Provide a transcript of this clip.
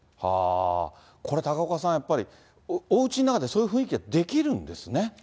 これは高岡さん、やっぱり、おうちの中でそういう雰囲気ができるんですね。